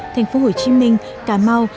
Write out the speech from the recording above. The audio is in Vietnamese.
thành phố hồ chí minh cà mau